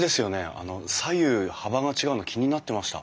左右幅が違うの気になってました。